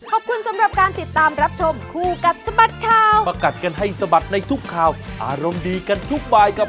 คืออยากจะไม่ได้ด้วยนะ